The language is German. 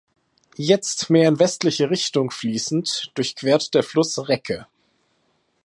Jetzt mehr in westliche Richtung fließend, durchquert der Fluss Recke.